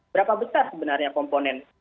berapa besar sebenarnya komponen